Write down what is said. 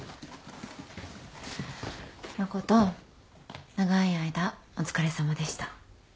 誠長い間お疲れさまでした。